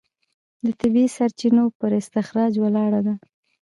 د طبیعي سرچینو پر استخراج ولاړه ده.